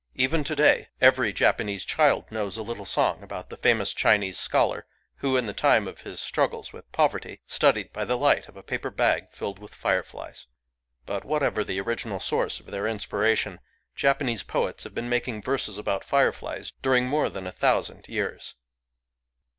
Even to day every Japanese child knows a little song about the famous Chinese scholar who, in the time of his struggles with poverty, studied by the light of a paper bag filled with fireflies. But, whatever the original source of their inspiration, Japanese poets have been making verses about fireflies during more than a thousand years.